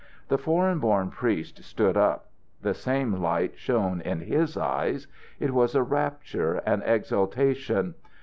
The foreign born priest stood up. The same light shone in his eyes. It was a rapture, an exaltation.